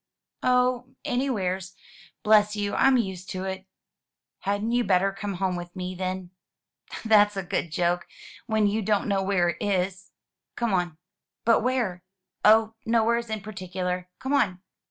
"Oh, anywheres. Bless you, I'm used to it." "Hadn't you better come home with me, then?" "That's a good joke, when you don't know where it is. Come on." "But where?" "Oh, nowheres in particular. Come on."